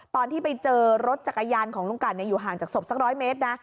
ตอนที่ไปเจอรถจักรยานของลุงกันอยู่ห่างจากศพสัก๑๐๐เมตรนะ